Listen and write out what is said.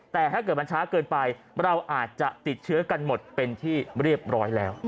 แต่ถ้าเกิดมันช้าเกินไปเราอาจจะติดเชื้อกันหมดเป็นที่เรียบร้อยแล้ว